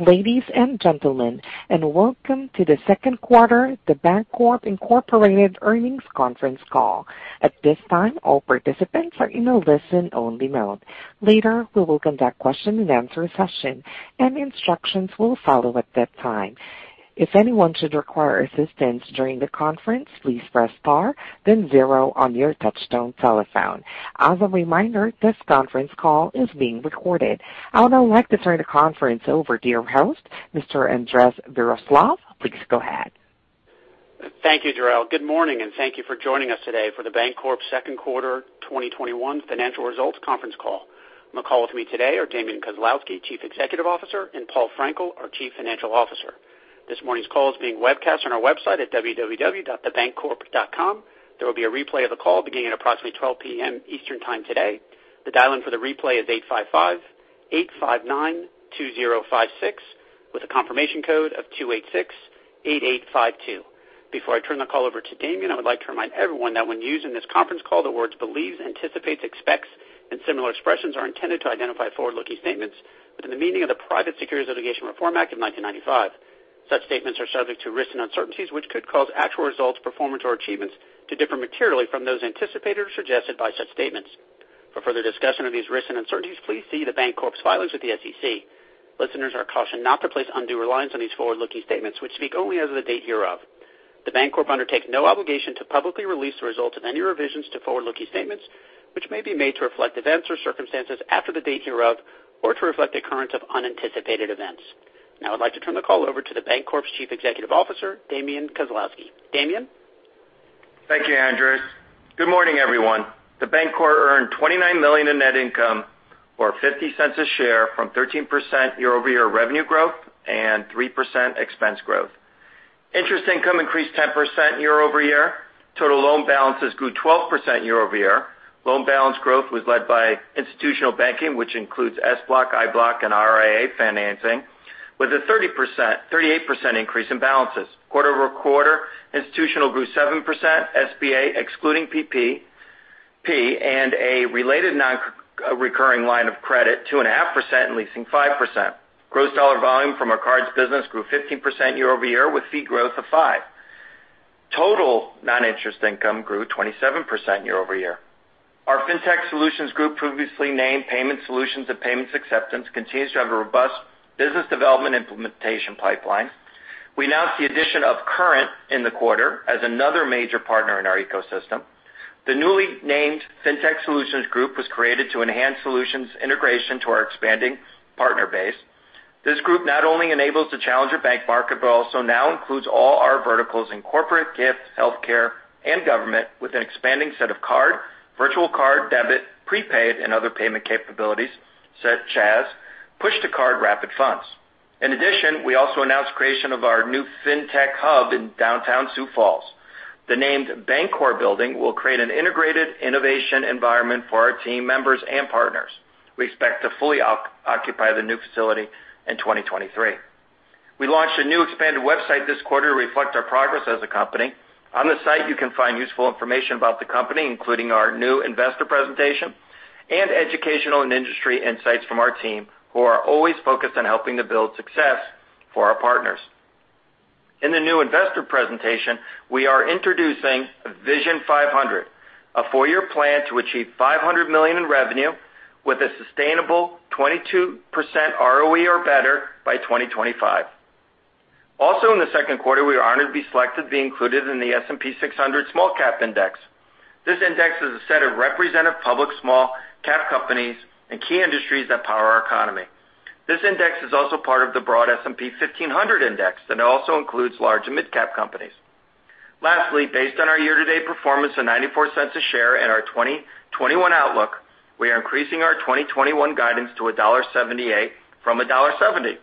Ladies and gentlemen, and welcome to the second quarter The Bancorp Incorporated earnings conference call. At this time, all participants are in a listen-only mode. Later, we will conduct question and answer session, and instructions will follow at that time. If anyone should require assistance during the conference, please press star then zero on your touchtone telephone. As a reminder, this conference call is being recorded. I would now like to turn the conference over to your host, Mr. Andres Viroslav. Please go ahead. Thank you, Jerelle. Good morning, and thank you for joining us today for The Bancorp's second quarter 2021 financial results conference call. On the call with me today are Damian Kozlowski, Chief Executive Officer, and Paul Frenkiel, our Chief Financial Officer. This morning's call is being webcast on our website at www.thebancorp.com. There will be a replay of the call beginning at approximately 12:00 P.M. Eastern Time today. The dial-in for the replay is 855-859-2056, with a confirmation code of 2868852. Before I turn the call over to Damian, I would like to remind everyone that when used in this conference call, the words believes, anticipates, expects, and similar expressions are intended to identify forward-looking statements within the meaning of the Private Securities Litigation Reform Act of 1995. Such statements are subject to risks and uncertainties which could cause actual results, performance, or achievements to differ materially from those anticipated or suggested by such statements. For further discussion of these risks and uncertainties, please see The Bancorp's filings with the SEC. Listeners are cautioned not to place undue reliance on these forward-looking statements, which speak only as of the date hereof. The Bancorp undertake no obligation to publicly release the results of any revisions to forward-looking statements, which may be made to reflect events or circumstances after the date hereof or to reflect the occurrence of unanticipated events. Now I'd like to turn the call over to The Bancorp's Chief Executive Officer, Damian Kozlowski. Damian? Thank you, Andres. Good morning, everyone. The Bancorp earned $29 million in net income or $0.50 a share from 13% year-over-year revenue growth and 3% expense growth. Interest income increased 10% year-over-year. Total loan balances grew 12% year-over-year. Loan balance growth was led by institutional banking, which includes SBLOC, IBLOC, and RIA financing, with a 38% increase in balances. Quarter-over-quarter, institutional grew 7%, SBA, excluding PPP, and a related non-recurring line of credit 2.5% and leasing 5%. Gross dollar volume from our cards business grew 15% year-over-year with fee growth of 5%. Total non-interest income grew 27% year-over-year. Our Fintech Solutions Group, previously named Payment Solutions and Payments Acceptance, continues to have a robust business development implementation pipeline. We announced the addition of Current in the quarter as another major partner in our ecosystem. The newly named Fintech Solutions Group was created to enhance solutions integration to our expanding partner base. This group not only enables the challenger bank market, but also now includes all our verticals in corporate, gift, healthcare, and government with an expanding set of card, virtual card, debit, prepaid, and other payment capabilities such as push-to-card payments. In addition, we also announced creation of our new Fintech hub in downtown Sioux Falls. The named Bancorp building will create an integrated innovation environment for our team members and partners. We expect to fully occupy the new facility in 2023. We launched a new expanded website this quarter to reflect our progress as a company. On the site, you can find useful information about the company, including our new investor presentation and educational and industry insights from our team, who are always focused on helping to build success for our partners. In the new investor presentation, we are introducing Vision 500, a four-year plan to achieve $500 million in revenue with a sustainable 22% ROE or better by 2025. Also in the second quarter, we were honored to be selected to be included in the S&P SmallCap 600 Index. This index is a set of representative public small-cap companies and key industries that power our economy. This index is also part of the broad S&P 1500, and it also includes large and mid-cap companies. Lastly, based on our year-to-date performance of $0.94 a share and our 2021 outlook, we are increasing our 2021 guidance to $1.78 from $1.70.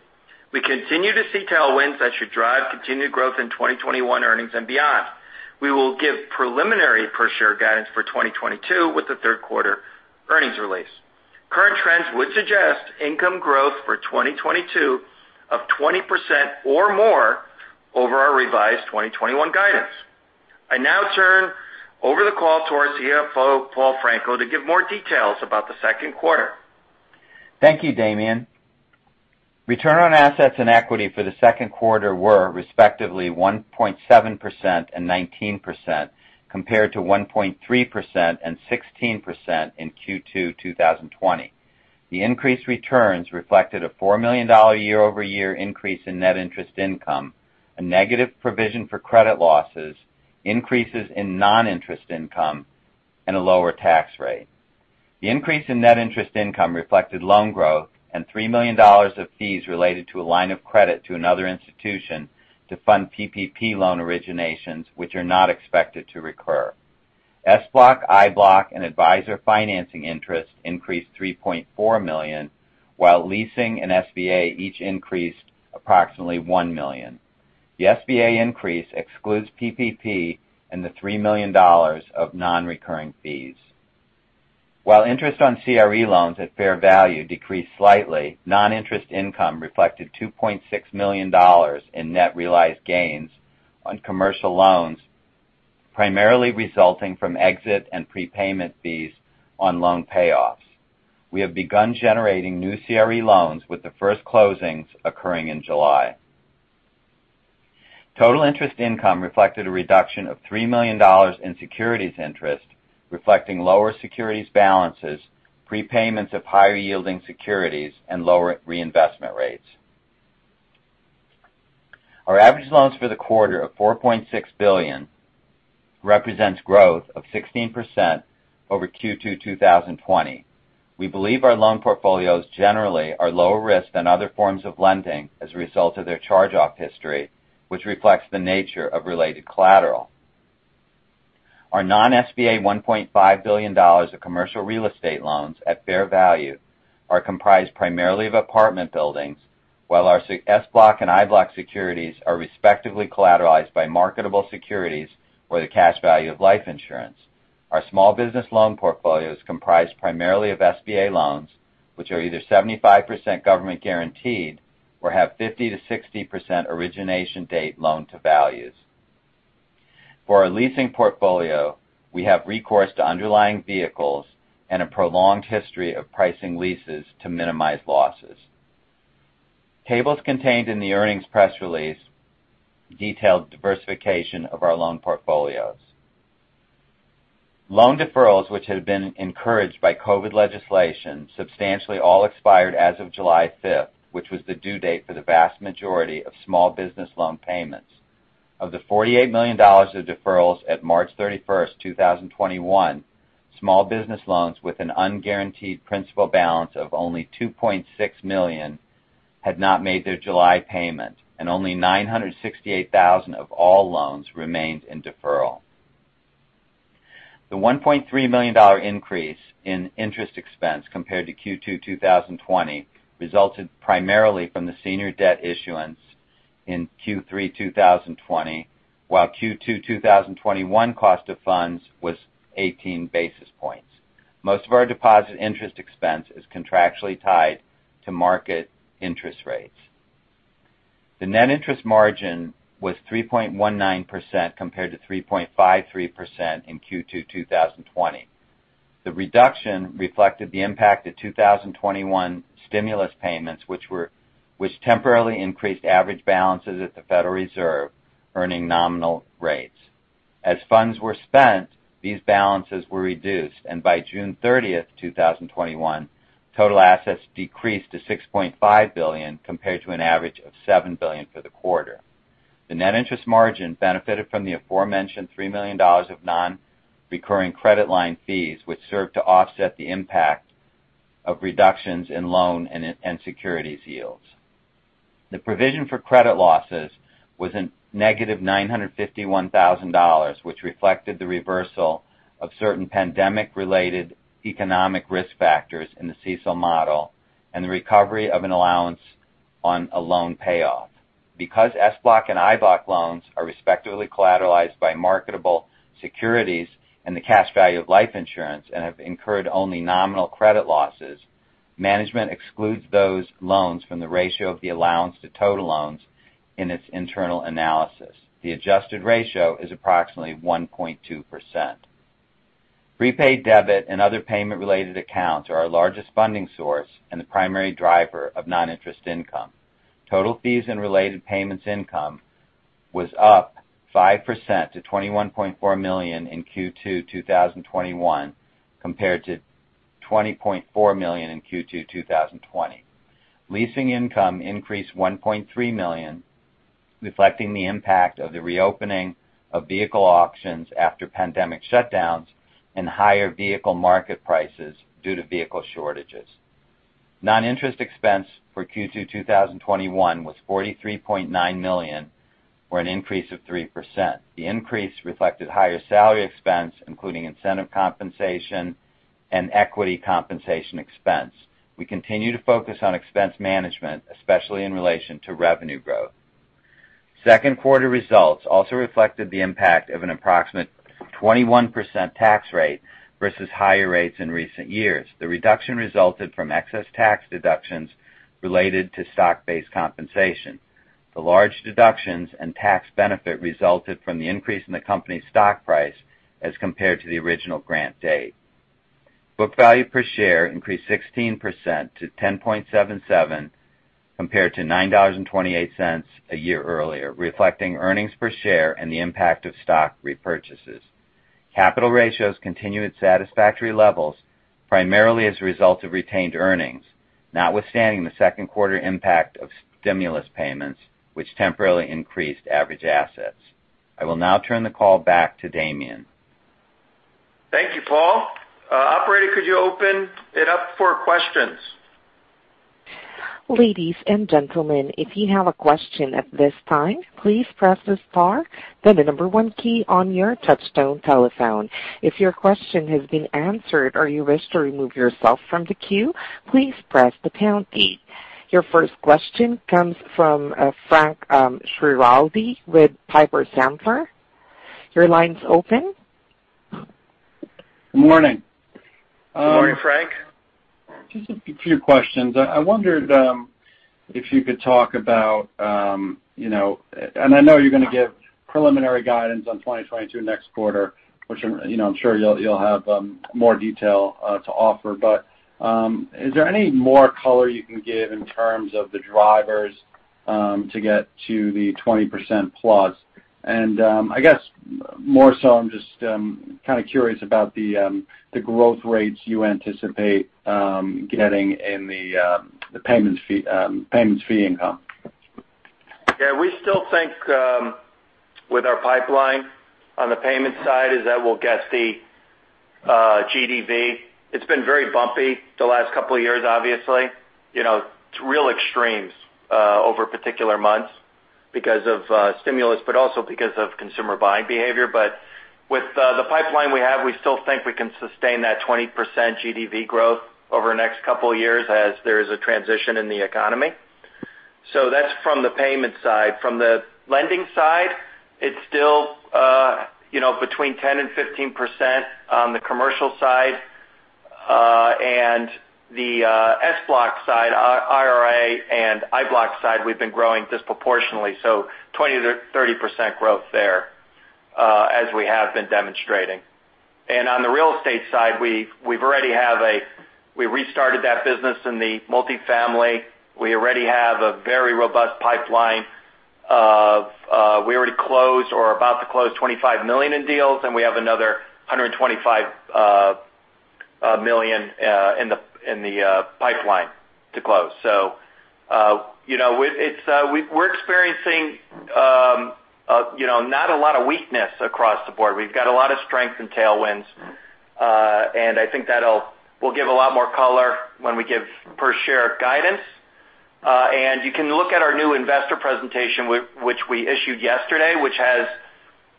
We continue to see tailwinds that should drive continued growth in 2021 earnings and beyond. We will give preliminary per-share guidance for 2022 with the third quarter earnings release. Current trends would suggest income growth for 2022 of 20% or more over our revised 2021 guidance. I now turn over the call to our CFO, Paul Frenkiel, to give more details about the second quarter. Thank you, Damian. Return on assets and equity for the second quarter were respectively 1.7% and 19% compared to 1.3% and 16% in Q2 2020. The increased returns reflected a $4 million year-over-year increase in net interest income, a negative provision for credit losses, increases in non-interest income, and a lower tax rate. The increase in net interest income reflected loan growth and $3 million of fees related to a line of credit to another institution to fund PPP loan originations, which are not expected to recur. SBLOC, IBLOC, and advisor financing interest increased $3.4 million, while leasing and SBA each increased approximately $1 million. The SBA increase excludes PPP and the $3 million of non-recurring fees. While interest on CRE loans at fair value decreased slightly, non-interest income reflected $2.6 million in net realized gains on commercial loans. Primarily resulting from exit and prepayment fees on loan payoffs. We have begun generating new CRE loans with the first closings occurring in July. Total interest income reflected a reduction of $3 million in securities interest, reflecting lower securities balances, prepayments of higher-yielding securities, and lower reinvestment rates. Our average loans for the quarter of $4.6 billion represents growth of 16% over Q2 2020. We believe our loan portfolios generally are lower risk than other forms of lending as a result of their charge-off history, which reflects the nature of related collateral. Our non-SBA $1.5 billion of commercial real estate loans at fair value are comprised primarily of apartment buildings, while our SBLOC and IBLOC securities are respectively collateralized by marketable securities or the cash value of life insurance. Our small business loan portfolio is comprised primarily of SBA loans, which are either 75% government-guaranteed or have 50%-60% origination date loan-to-values. For our leasing portfolio, we have recourse to underlying vehicles and a prolonged history of pricing leases to minimize losses. Tables contained in the earnings press release detailed diversification of our loan portfolios. Loan deferrals, which had been encouraged by COVID legislation, substantially all expired as of July 5th, which was the due date for the vast majority of small business loan payments. Of the $48 million of deferrals at March 31st, 2021, small business loans with an unguaranteed principal balance of only $2.6 million had not made their July payment, and only $968,000 of all loans remained in deferral. The $1.3 million increase in interest expense compared to Q2 2020 resulted primarily from the senior debt issuance in Q3 2020, while Q2 2021 cost of funds was 18 basis points. Most of our deposit interest expense is contractually tied to market interest rates. The net interest margin was 3.19% compared to 3.53% in Q2 2020. The reduction reflected the impact of 2021 stimulus payments, which temporarily increased average balances at the Federal Reserve, earning nominal rates. As funds were spent, these balances were reduced, and by June 30th, 2021, total assets decreased to $6.5 billion compared to an average of $7 billion for the quarter. The net interest margin benefited from the aforementioned $3 million of non-recurring credit line fees, which served to offset the impact of reductions in loan and securities yields. The provision for credit losses was -$951,000, which reflected the reversal of certain pandemic-related economic risk factors in the CECL model and the recovery of an allowance on a loan payoff. Because SBLOC and IBLOC loans are respectively collateralized by marketable securities and the cash value of life insurance and have incurred only nominal credit losses, management excludes those loans from the ratio of the allowance to total loans in its internal analysis. The adjusted ratio is approximately 1.2%. Prepaid debit and other payment-related accounts are our largest funding source and the primary driver of non-interest income. Total fees and related payments income was up 5% to $21.4 million in Q2 2021 compared to $20.4 million in Q2 2020. Leasing income increased $1.3 million, reflecting the impact of the reopening of vehicle auctions after pandemic shutdowns and higher vehicle market prices due to vehicle shortages. Non-interest expense for Q2 2021 was $43.9 million, or an increase of 3%. The increase reflected higher salary expense, including incentive compensation and equity compensation expense. We continue to focus on expense management, especially in relation to revenue growth. Second quarter results also reflected the impact of an approximate 21% tax rate versus higher rates in recent years. The reduction resulted from excess tax deductions related to stock-based compensation. The large deductions and tax benefit resulted from the increase in the company's stock price as compared to the original grant date. Book value per share increased 16% to $10.77 compared to $9.28 a year earlier, reflecting earnings per share and the impact of stock repurchases. Capital ratios continue at satisfactory levels, primarily as a result of retained earnings, notwithstanding the second quarter impact of stimulus payments, which temporarily increased average assets. I will now turn the call back to Damian. Thank you, Paul. Operator, could you open it up for questions? Ladies and gentlemen, if you have a question at this time, please press the star, then the number 1 key on your touch-tone telephone. If your question has been answered or you wish to remove yourself from the queue, please press the pound key. Your first question comes from Frank Schiraldi with Piper Sandler. Your line's open Good morning. Good morning, Frank. Just a few questions. I wondered if you could talk about. I know you're going to give preliminary guidance on 2022 next quarter, which I'm sure you'll have more detail to offer, but is there any more color you can give in terms of the drivers to get to the 20%+? I guess more so I'm just kind of curious about the growth rates you anticipate getting in the payments fee income. We still think with our pipeline on the payment side is that we'll get the GDV. It's been very bumpy the last couple of years, obviously. It's real extremes over particular months because of stimulus, but also because of consumer buying behavior. With the pipeline we have, we still think we can sustain that 20% GDV growth over the next couple of years as there is a transition in the economy. That's from the payment side. From the lending side, it's still between 10% and 15% on the commercial side. The SBLOC side, RIA and IBLOC side, we've been growing disproportionately. 20%-30% growth there as we have been demonstrating. On the real estate side, we restarted that business in the multifamily. We already have a very robust pipeline. We already closed or are about to close $25 million in deals. We have another $125 million in the pipeline to close. We're experiencing not a lot of weakness across the board. We've got a lot of strength and tailwinds, and I think that'll give a lot more color when we give per share guidance. You can look at our new investor presentation, which we issued yesterday, which has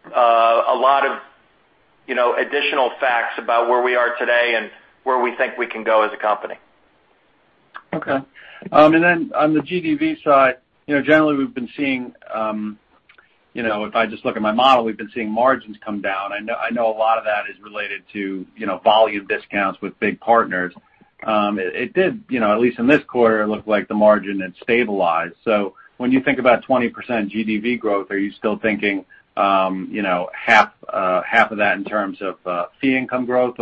a lot of additional facts about where we are today and where we think we can go as a company. On the GDV side, generally we've been seeing, if I just look at my model, we've been seeing margins come down. A lot of that is related to volume discounts with big partners. It did, at least in this quarter, it looked like the margin had stabilized. When you think about 20% GDV growth, are you still thinking half of that in terms of fee income growth?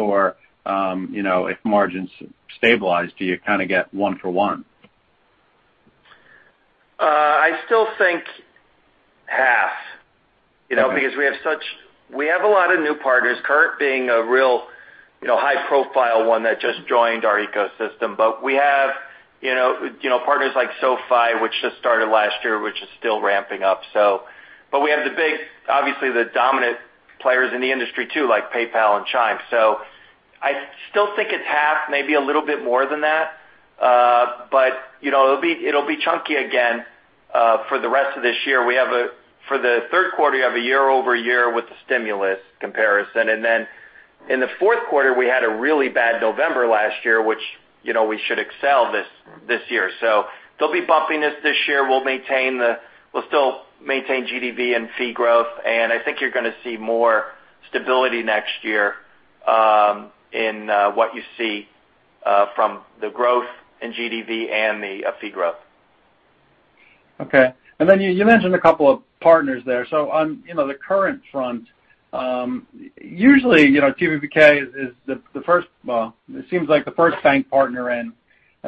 If margins stabilize, do you kind of get one for one? I still think half. Okay. We have a lot of new partners, Current being a real high profile one that just joined our ecosystem. We have partners like SoFi, which just started last year, which is still ramping up. We have the big, obviously, the dominant players in the industry too, like PayPal and Chime. I still think it's half, maybe a little bit more than that. It'll be chunky again for the rest of this year. For the third quarter, you have a year-over-year with the stimulus comparison. In the fourth quarter, we had a really bad November last year, which we should excel this year. There'll be bumpiness this year. We'll still maintain GDV and fee growth, and I think you're going to see more stability next year in what you see from the growth in GDV and the fee growth. Okay. Then you mentioned a couple of partners there. On the Current front, usually TBBK is the first, well, it seems like the first bank partner and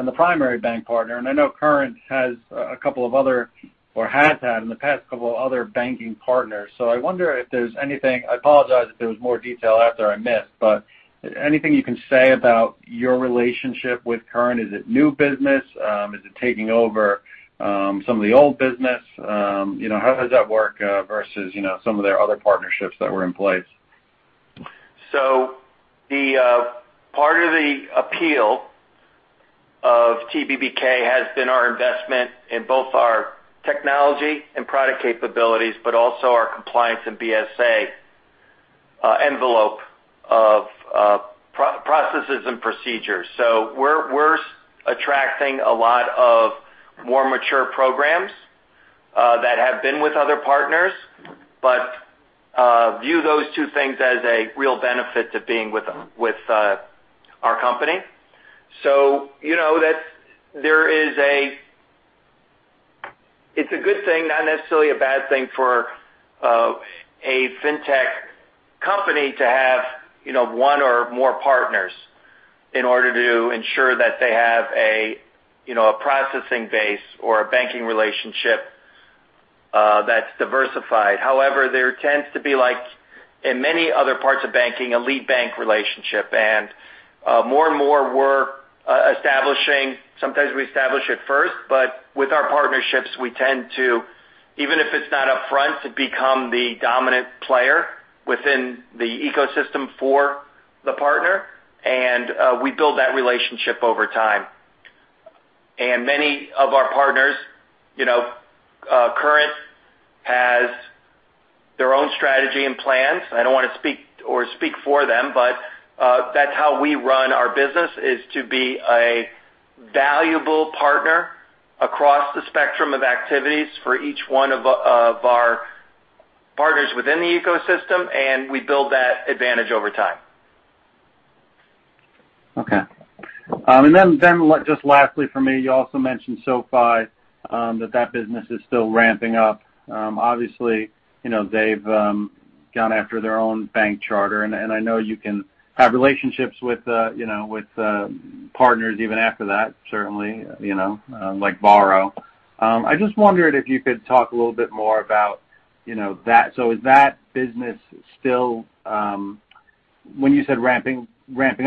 the primary bank partner. I know Current has a couple of other, or has had in the past, couple of other banking partners. I wonder if there's anything, I apologize if there was more detail after I missed, but anything you can say about your relationship with Current? Is it new business? Is it taking over some of the old business? How does that work versus some of their other partnerships that were in place? Part of the appeal of TBBK has been our investment in both our technology and product capabilities, but also our compliance and BSA envelope of processes and procedures. We're attracting a lot of more mature programs that have been with other partners, but view those two things as a real benefit to being with our company. It's a good thing, not necessarily a bad thing for a fintech company to have one or more partners in order to ensure that they have a processing base or a banking relationship that's diversified. However, there tends to be like in many other parts of banking, a lead bank relationship. More and more we're establishing, sometimes we establish it first, but with our partnerships, we tend to, even if it's not upfront, to become the dominant player within the ecosystem for the partner. We build that relationship over time. Many of our partners, Current has their own strategy and plans. I don't want to speak for them, but that's how we run our business, is to be a valuable partner across the spectrum of activities for each one of our partners within the ecosystem. We build that advantage over time. Okay. Just lastly from me, you also mentioned SoFi, that that business is still ramping up. Obviously, they've gone after their own bank charter, and I know you can have relationships with partners even after that, certainly, like Varo. I just wondered if you could talk a little bit more about that. Is that business still, when you said ramping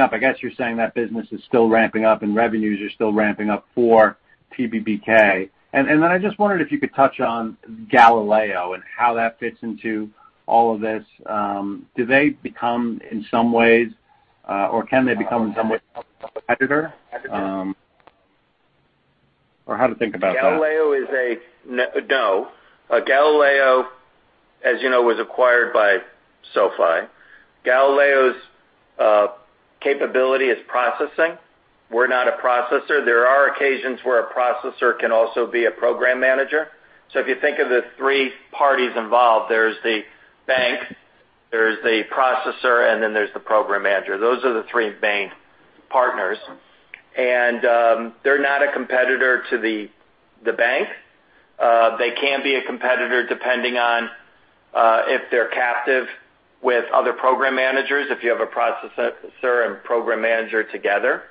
up, I guess you're saying that business is still ramping up and revenues are still ramping up for TBBK. I just wondered if you could touch on Galileo and how that fits into all of this. Do they become, in some ways, or can they become, in some ways, a competitor? How to think about that. Galileo, as you know, was acquired by SoFi. Galileo's capability is processing. We're not a processor. There are occasions where a processor can also be a program manager. If you think of the three parties involved, there's the bank, there's the processor, and then there's the program manager. Those are the three main partners. They're not a competitor to the bank. They can be a competitor depending on if they're captive with other program managers, if you have a processor and program manager together.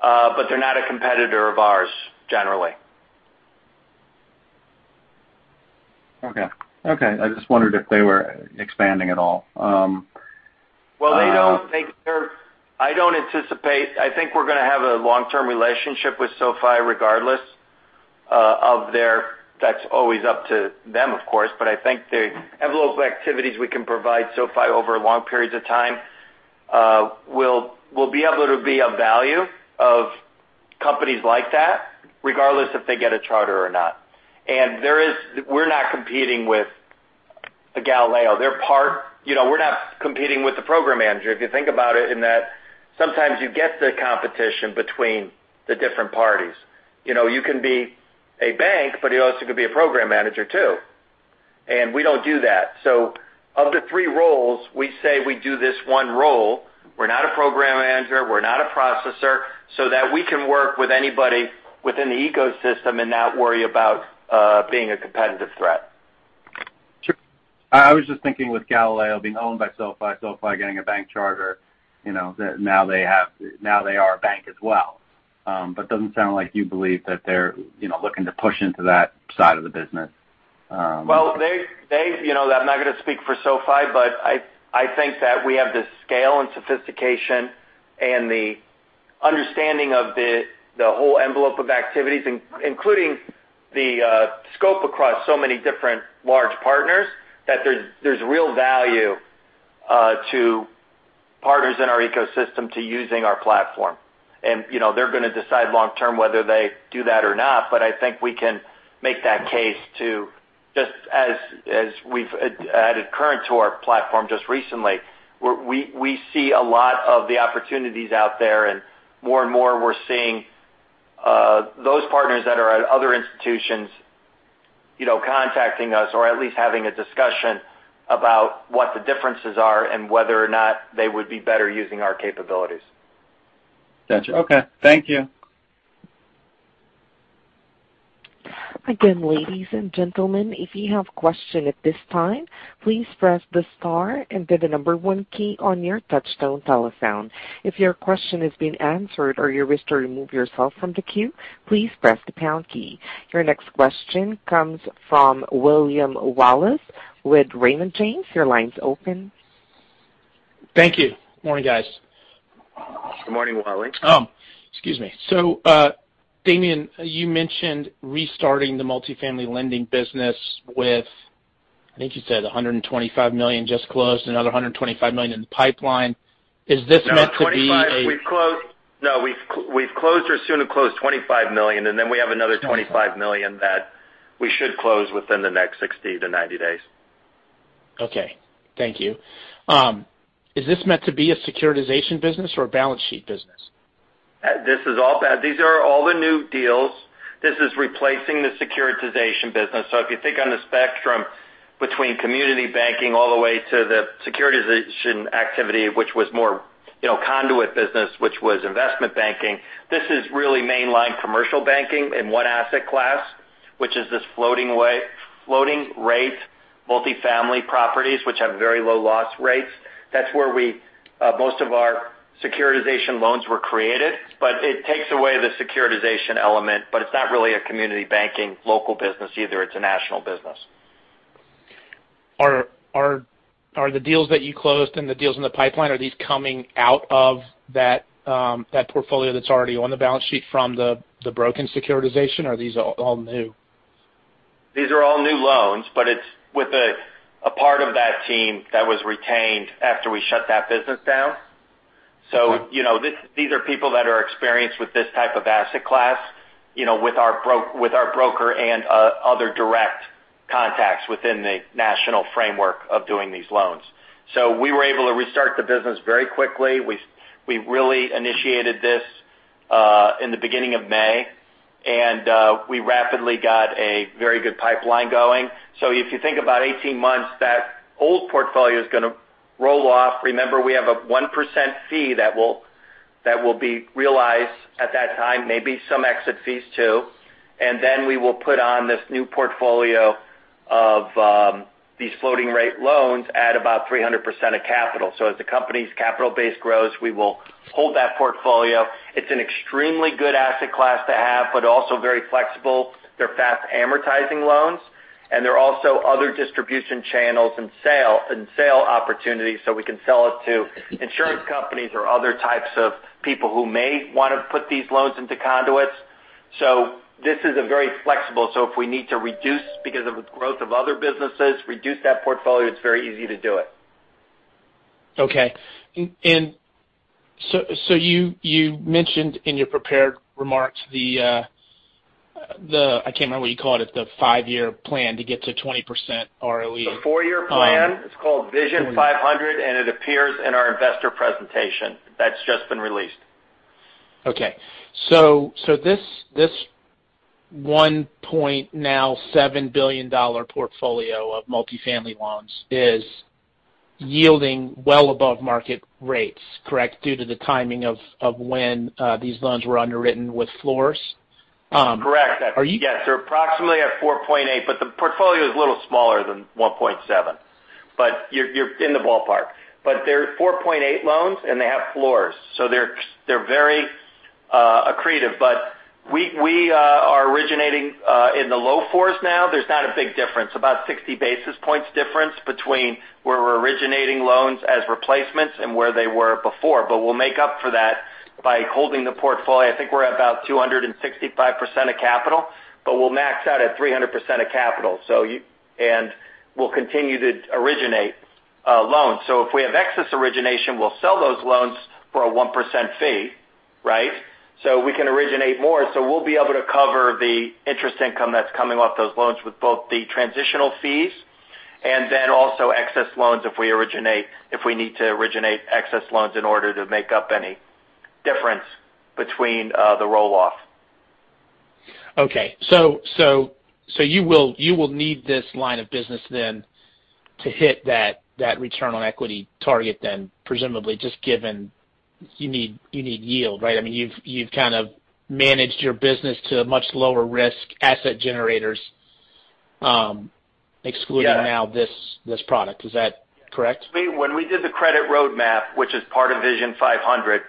They're not a competitor of ours, generally. Okay. I just wondered if they were expanding at all. I think we're going to have a long-term relationship with SoFi regardless of that's always up to them, of course, but I think the envelope of activities we can provide SoFi over long periods of time will be able to be of value of companies like that, regardless if they get a charter or not. We're not competing with Galileo. We're not competing with the program manager, if you think about it, in that sometimes you get the competition between the different parties. You can be a bank, but you also could be a program manager too. We don't do that. Of the three roles, we say we do this one role. We're not a program manager, we're not a processor, so that we can work with anybody within the ecosystem and not worry about being a competitive threat. Sure. I was just thinking with Galileo being owned by SoFi getting a bank charter, that now they are a bank as well. Doesn't sound like you believe that they're looking to push into that side of the business. Well, I'm not going to speak for SoFi, but I think that we have the scale and sophistication and the understanding of the whole envelope of activities, including the scope across so many different large partners, that there's real value to partners in our ecosystem to using our platform. They're going to decide long term whether they do that or not, but I think we can make that case to just as we've added Current to our platform just recently. We see a lot of the opportunities out there, more and more we're seeing those partners that are at other institutions contacting us or at least having a discussion about what the differences are and whether or not they would be better using our capabilities. Got you. Okay. Thank you. Again, ladies and gentlemen, if you have question at this time, please press the star and then the number one key on your touch-tone telephone. If your question has been answered or you wish to remove yourself from the queue, please press the pound key. Your next question comes from William Wallace with Raymond James. Your line's open. Thank you. Morning, guys. Good morning, Wallace. Excuse me. Damian, you mentioned restarting the multifamily lending business with, I think you said $125 million just closed, another $125 million in the pipeline. Is this meant to be a- No, we've closed or soon to close $25 million, and then we have another $25 million that we should close within the next 60-90 days. Okay. Thank you. Is this meant to be a securitization business or a balance sheet business? These are all the new deals. This is replacing the securitization business. If you think on the spectrum between community banking all the way to the securitization activity, which was more conduit business, which was investment banking, this is really mainline commercial banking in one asset class, which is this floating rate multifamily properties, which have very low loss rates. That's where most of our securitization loans were created. It takes away the securitization element, but it's not really a community banking local business either. It's a national business. Are the deals that you closed and the deals in the pipeline, are these coming out of that portfolio that's already on the balance sheet from the broken securitization? Are these all new? These are all new loans. It's with a part of that team that was retained after we shut that business down. These are people that are experienced with this type of asset class with our broker and other direct contacts within the national framework of doing these loans. We were able to restart the business very quickly. We really initiated this in the beginning of May. And we rapidly got a very good pipeline going. If you think about 18 months, that old portfolio is going to roll off. Remember, we have a 1% fee that will be realized at that time, maybe some exit fees too. We will put on this new portfolio of these floating rate loans at about 300% of capital. As the company's capital base grows, we will hold that portfolio. It's an extremely good asset class to have, but also very flexible. They're fast amortizing loans, and there are also other distribution channels and sale opportunities, so we can sell it to insurance companies or other types of people who may want to put these loans into conduits. This is very flexible. If we need to reduce because of the growth of other businesses, reduce that portfolio, it's very easy to do it. Okay. You mentioned in your prepared remarks, I can't remember what you called it, the 5-year plan to get to 20% ROE. The four-year plan is called Vision 500, and it appears in our investor presentation that's just been released. This $1.7 billion portfolio of multifamily loans is yielding well above market rates, correct, due to the timing of when these loans were underwritten with floors? Correct. Are you- Yes, they're approximately at 4.8%, the portfolio is a little smaller than $1.7, you're in the ballpark. They're 4.8% loans, they have floors, they're very accretive. We are originating in the low 4%s now. There's not a big difference. About 60 basis points difference between where we're originating loans as replacements and where they were before. We'll make up for that by holding the portfolio. I think we're at about 265% of capital, we'll max out at 300% of capital. We'll continue to originate loans. If we have excess origination, we'll sell those loans for a 1% fee. We can originate more. We'll be able to cover the interest income that's coming off those loans with both the transitional fees and then also excess loans if we need to originate excess loans in order to make up any difference between the roll-off. You will need this line of business then to hit that return on equity target then presumably just given you need yield, right? You've kind of managed your business to much lower risk asset generators. Yeah. Excluding now this product. Is that correct? When we did the credit roadmap, which is part of Vision 500.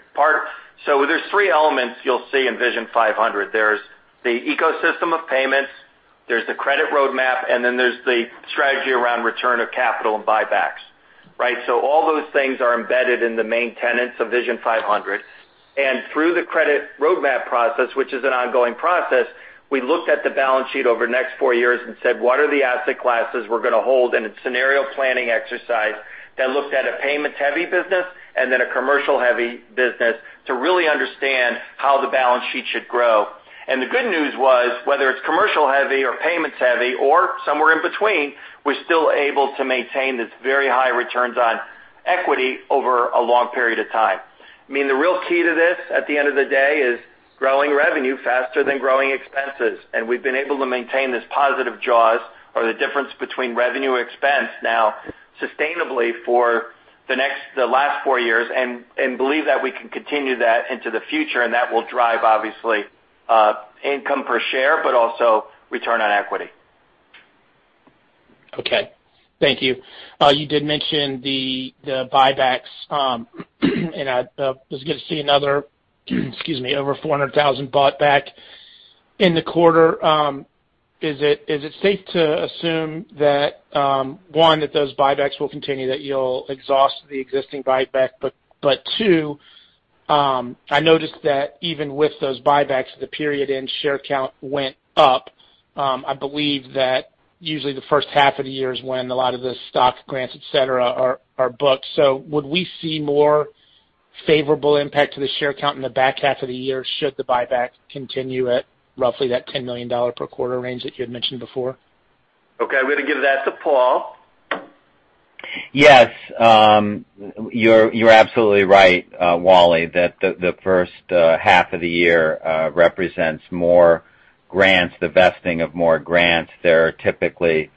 There's three elements you'll see in Vision 500. There's the ecosystem of payments, there's the credit roadmap, and then there's the strategy around return of capital and buybacks. All those things are embedded in the main tenets of Vision 500. Through the credit roadmap process, which is an ongoing process, we looked at the balance sheet over the next four years and said, what are the asset classes we're going to hold? It's scenario planning exercise that looked at a payments-heavy business and then a commercial-heavy business to really understand how the balance sheet should grow. The good news was, whether it's commercial-heavy or payments-heavy or somewhere in between, we're still able to maintain this very high returns on equity over a long period of time. The real key to this, at the end of the day, is growing revenue faster than growing expenses. We've been able to maintain this positive jaws or the difference between revenue expense now sustainably for the last four years and believe that we can continue that into the future. That will drive, obviously, income per share, but also return on equity. Okay. Thank you. You did mention the buybacks, over 400,000 bought back in the quarter. Is it safe to assume that, one, that those buybacks will continue, that you'll exhaust the existing buyback? Two, I noticed that even with those buybacks, the period end share count went up. I believe that usually the first half of the year is when a lot of the stock grants, et cetera, are booked. Would we see more favorable impact to the share count in the back half of the year should the buyback continue at roughly that $10 million per quarter range that you had mentioned before? Okay, I'm going to give that to Paul. Yes. You're absolutely right, Wallance, that the first half of the year represents more grants, the vesting of more grants. There are typically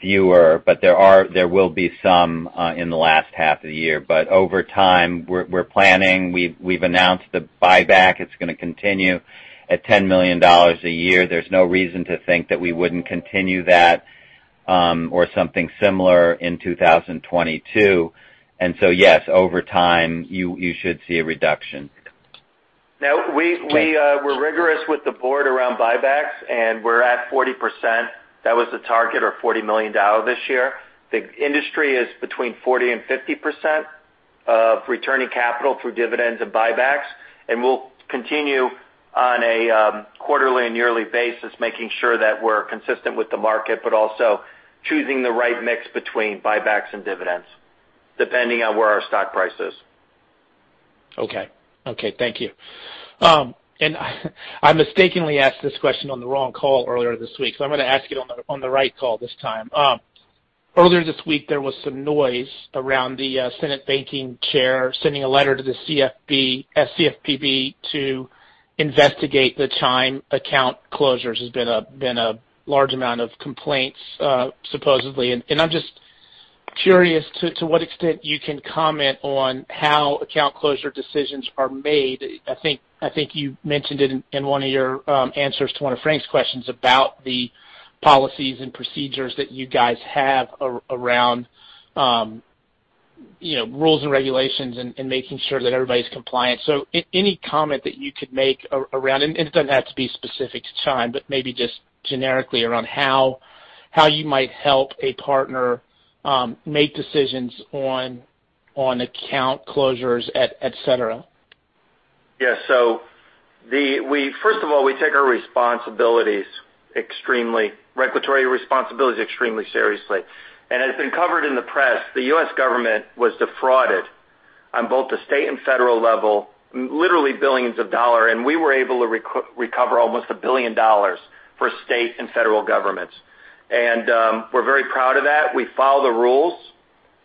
fewer, but there will be some in the last half of the year. Over time, we're planning. We've announced the buyback. It's going to continue at $10 million a year. There's no reason to think that we wouldn't continue that or something similar in 2022. Yes, over time, you should see a reduction. We're rigorous with the board around buybacks, and we're at 40%. That was the target or $40 million this year. The industry is between 40% and 50% of returning capital through dividends and buybacks, and we'll continue on a quarterly and yearly basis, making sure that we're consistent with the market, but also choosing the right mix between buybacks and dividends, depending on where our stock price is. Okay. Thank you. I mistakenly asked this question on the wrong call earlier this week, so I'm going to ask it on the right call this time. Earlier this week, there was some noise around the Senate banking chair sending a letter to the CFPB to investigate the Chime account closures. There's been a large amount of complaints, supposedly. I'm just curious to what extent you can comment on how account closure decisions are made. I think you mentioned it in one of your answers to one of Frank's questions about the policies and procedures that you guys have around rules and regulations and making sure that everybody's compliant. Any comment that you could make around, and it doesn't have to be specific to Chime, but maybe just generically around how you might help a partner make decisions on account closures, et cetera. Yeah. First of all, we take our regulatory responsibilities extremely seriously. It's been covered in the press. The U.S. government was defrauded on both the state and federal level, literally billions of dollar. We were able to recover almost a billion dollars for state and federal governments. We're very proud of that. We follow the rules.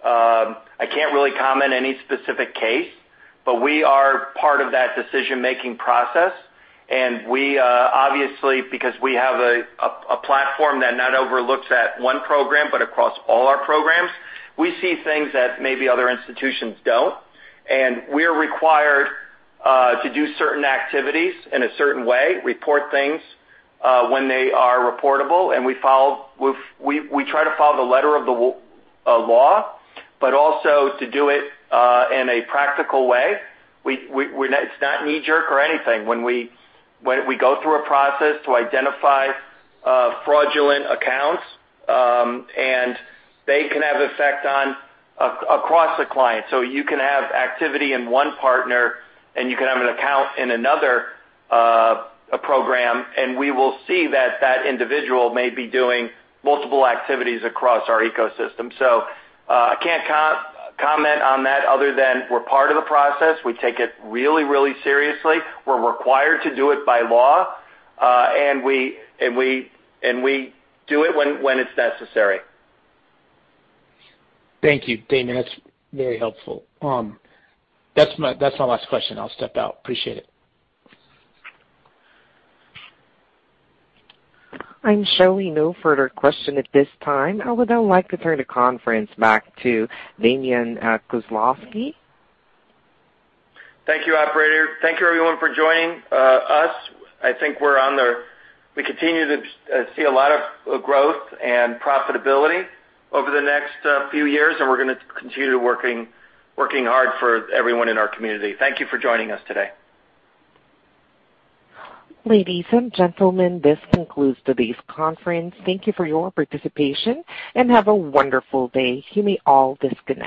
I can't really comment any specific case. We are part of that decision-making process. We obviously, because we have a platform that not overlooks at one program, but across all our programs, we see things that maybe other institutions don't. We're required to do certain activities in a certain way, report things when they are reportable. We try to follow the letter of the law, also to do it in a practical way. It's not knee-jerk or anything. When we go through a process to identify fraudulent accounts, and they can have effect across the client. You can have activity in one partner, and you can have an account in another program, and we will see that individual may be doing multiple activities across our ecosystem. I can't comment on that other than we're part of the process. We take it really seriously. We're required to do it by law. We do it when it's necessary. Thank you, Damian. That's very helpful. That's my last question. I'll step out. Appreciate it. I'm showing no further question at this time. I would now like to turn the conference back to Damian Kozlowski. Thank you, operator. Thank you, everyone, for joining us. I think we continue to see a lot of growth and profitability over the next few years, and we're going to continue working hard for everyone in our community. Thank you for joining us today. Ladies and gentlemen, this concludes today's conference. Thank you for your participation, and have a wonderful day. You may all disconnect.